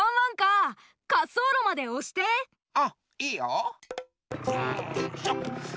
うんいいよ！